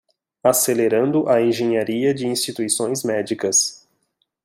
Acelerando a engenharia de instituições médicas